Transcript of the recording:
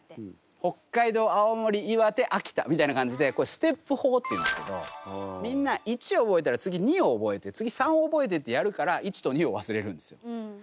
北海道青森岩手秋田みたいな感じでステップ法っていうんですけどみんな１覚えたら次２を覚えて次３覚えてってやるから１と２を忘れるんですよ。